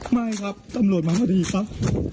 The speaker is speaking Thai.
ไม่ครับตำรวจมาพอดีครับ